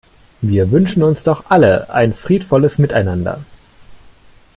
Wir wünschen uns doch alle ein friedvolles Miteinander.